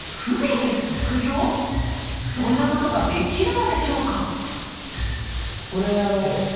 そんなことができるのでしょうか。